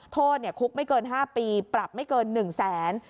โทษเนี่ยคุกไม่เกิน๕ปีปรับไม่เกิน๑๐๐๐๐๐บาท